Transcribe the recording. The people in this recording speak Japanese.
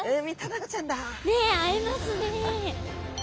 ねっ会えますね。